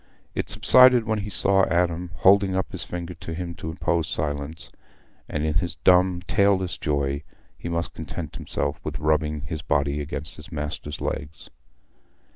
It subsided when he saw Adam, holding up his finger at him to impose silence, and in his dumb, tailless joy he must content himself with rubbing his body against his master's legs.